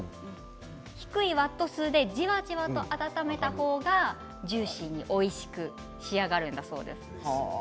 低いワット数でじわじわと温めた方がジューシーにおいしく仕上がるんだそうです。